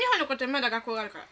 まだ学校があるから。